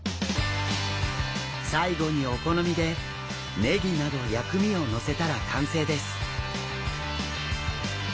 最後にお好みでネギなど薬味をのせたら完成です。